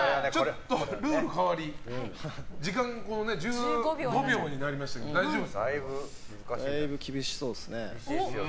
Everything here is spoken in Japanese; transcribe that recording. ルール変わり時間が１５秒になりましたけどだいぶ厳しそうですね。